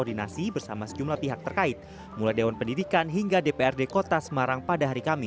di mana sma tiga semarang sudah melakukan uji coba ptm dua kali